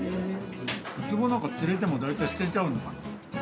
ウツボなんて釣れても、大体捨てちゃうのに。